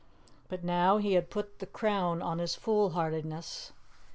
But now he had put the crown on his foolhardiness.